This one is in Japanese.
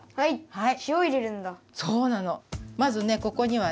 はい。